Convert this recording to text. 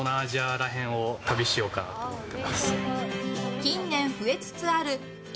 近年増えつつある１